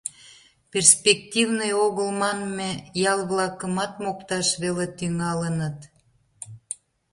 Перспективный огыл манме ял-влакымат мокташ веле тӱҥалыныт.